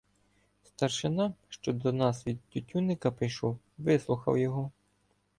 Старшина, що до нас від Тютюнника прийшов, вислухав його.